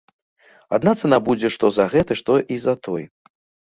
Адна цана будзе што за гэты, што і за той.